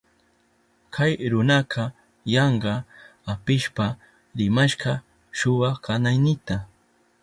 Kay runaka yanka apishpa rimashka shuwa kanaynita.